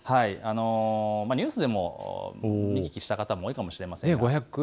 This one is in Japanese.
ニュースでも見聞きした方も多いかもしれません。